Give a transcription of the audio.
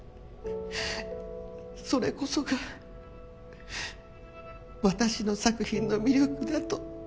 それこそが私の作品の魅力だと三隅は言った。